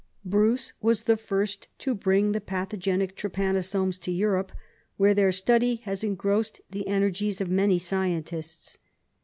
Bruce was the first to bring the pathogenic trypano somes to Europe, where their study has engrossed the energies of many scientists.